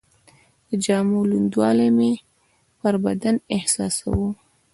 د جامو لوندوالی مې پر بدن احساساوه.